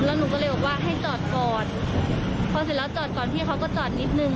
แล้วหนูก็เลยบอกว่าให้จอดก่อนพอเสร็จแล้วจอดก่อนพี่เขาก็จอดนิดนึง